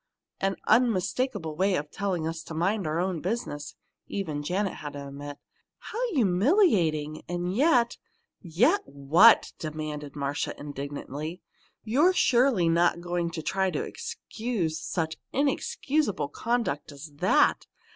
"An unmistakable way of telling us to mind our own business!" even Janet had to admit. "How humiliating! And yet " "Yet what?" demanded Marcia, indignantly. "You're surely not going to try to excuse such inexcusable conduct as that!